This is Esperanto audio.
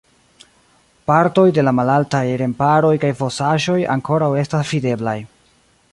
Partoj de la malaltaj remparoj kaj fosaĵoj ankoraŭ estas videblaj.